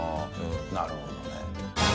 なるほどね。